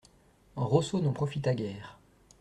Rosso n'en profita guère.